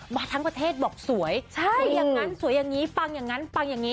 มาทั้งประเทศบอกสวยสวยอย่างนั้นสวยอย่างนี้ปังอย่างนั้นปังอย่างนี้